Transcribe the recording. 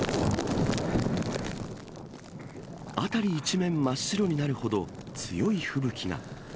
辺り一面真っ白になるほど、強い吹雪が。